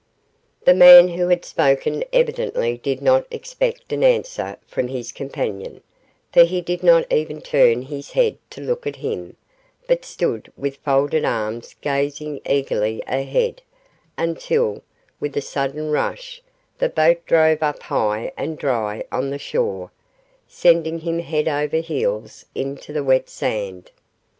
The man who had spoken evidently did not expect an answer from his companion, for he did not even turn his head to look at him, but stood with folded arms gazing eagerly ahead, until, with a sudden rush, the boat drove up high and dry on the shore, sending him head over heels into the wet sand.